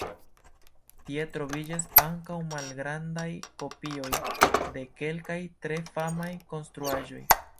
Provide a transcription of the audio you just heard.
Tie troviĝas ankaŭ malgrandaj kopioj de kelkaj tre famaj konstruaĵoj.